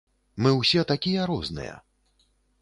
Мы ўсе такія розныя.